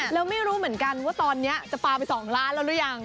แล้วไม่รู้เหมือนกันว่าตอนนี้จะปลาไป๒ล้านแล้วหรือยัง